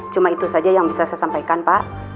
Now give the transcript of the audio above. cuma itu saja yang bisa saya sampaikan pak